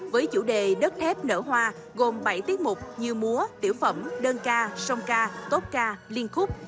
với chủ đề đất thép nở hoa gồm bảy tiết mục như múa tiểu phẩm đơn ca sông ca tốt ca liên khúc